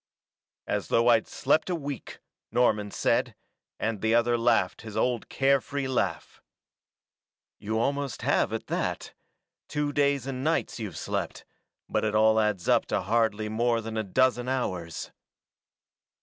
"As though I'd slept a week," Norman said, and the other laughed his old care free laugh. "You almost have, at that. Two days and nights you've slept, but it all adds up to hardly more than a dozen hours."